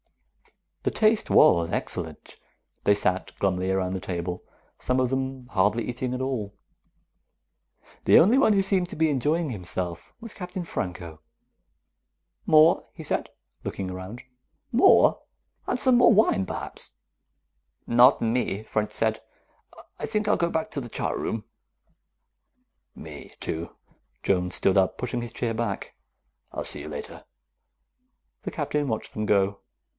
The taste was excellent. They sat glumly around the table, some of them hardly eating at all. The only one who seemed to be enjoying himself was Captain Franco. "More?" he said, looking around. "More? And some wine, perhaps." "Not me," French said. "I think I'll go back to the chart room." "Me, too." Jones stood up, pushing his chair back. "I'll see you later." The Captain watched them go.